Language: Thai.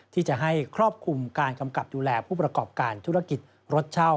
ที่จะให้ครอบคลุมการกำกับดูแลผู้ประกอบการธุรกิจรถเช่า